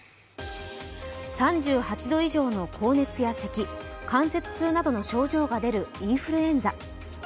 ３８度以上の高熱やせき関節痛などの症状が出るインフルエンザ。